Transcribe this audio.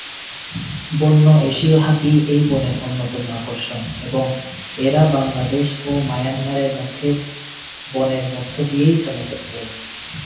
বন্য এশীয় হাতি এই বনের অন্যতম আকর্ষণ এবং এরা বাংলাদেশ ও মায়ানমারের মধ্যে বনের মধ্য দিয়েই চলাচল করে।